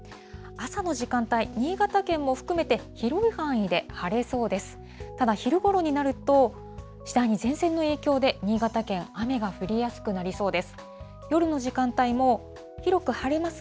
朝の時間帯、新潟県も含めて、広い範囲で晴れそうです。